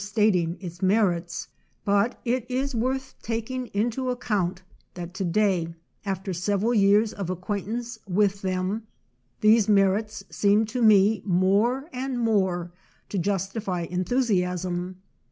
stating" its merits; but it is worth taking into account that to day, after several years of acquaintance with them, these merits seem to me more and more to justify en thusiasm.